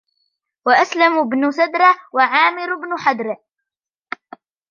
وَأَسْلَمُ بْنُ سَدْرَةَ وَعَامِرُ بْنُ حَدْرَةَ